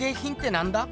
なんだ？